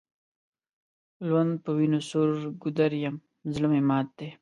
لوند په وینو سور ګودر یم زړه مي مات دی